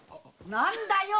何だよ！